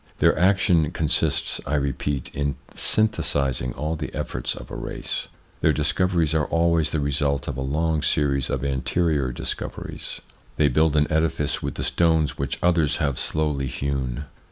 Their action consists, I repeat, in synthesising all the efforts of a race ; their discoveries are always the result of a long series of anterior discoveries ; they build an edifice with the stones which others have slowly hewn.